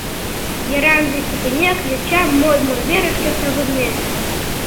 Веранде пӱтынек йоча модмо верышке савырнен.